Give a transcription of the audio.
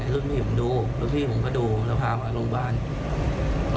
รุ่นพี่ผมดูรุ่นพี่ผมก็ดูแล้วพามาโรงพยาบาล